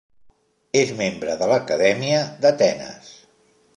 És membre de l'Acadèmia d'Atenes.